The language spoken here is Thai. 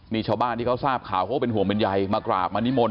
นี่ชาวบ้านที่เขาทราบข่าวเขาก็เป็นห่วงเป็นใยมากราบมานิมนต